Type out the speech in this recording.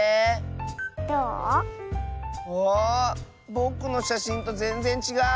ぼくのしゃしんとぜんぜんちがう！